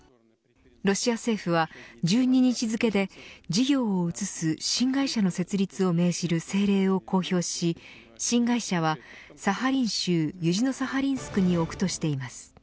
ロシア政府は１２日付で事業を移す新会社の設立を命じる政令を公表し、新会社はサハリン州ユジノサハリンスクに置くとしています。